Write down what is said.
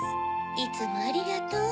いつもありがとう。